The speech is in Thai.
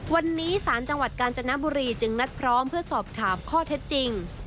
วันนี้ศาลจังหวัดกาญจนบุรีจึงนัดพร้อมเพื่อสอบถามข้อเท็จจริง